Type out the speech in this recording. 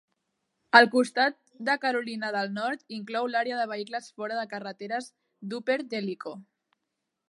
El costat de Carolina del Nord inclou l'àrea de vehicles fora de carreteres d'Upper Tellico.